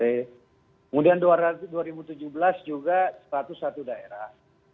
kemudian dua ribu tujuh belas juga satu ratus satu daerah